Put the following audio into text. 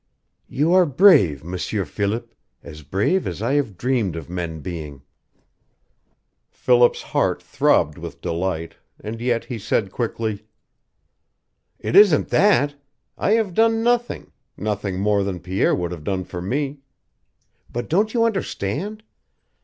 "You are brave, M'sieur Philip as brave as I have dreamed of men being." Philip's heart throbbed with delight, and yet he said quickly: "It isn't THAT. I have done nothing nothing more than Pierre would have done for me. But don't you understand?